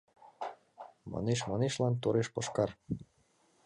— Манеш-манешлан — тореш пашкар!..